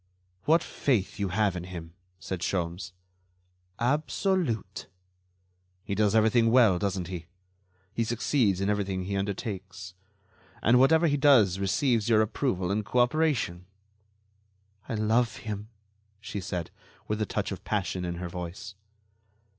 "What faith you have in him!" said Sholmes. "Absolute." "He does everything well, doesn't he? He succeeds in everything he undertakes. And whatever he does receives your approval and cooperation." "I love him," she said, with a touch of passion in her voice.